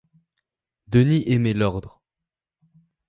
Denis aimait l’ordre.